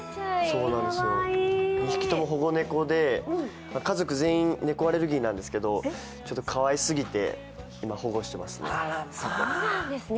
２匹とも保護猫で、家族全員、猫アレルギーなんですけどかわいすぎて今、保護してますね。